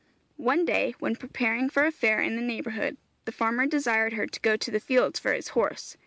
One day, when preparing for a fair in the neighbourhood, the farmer desired her to go to the field for his horse.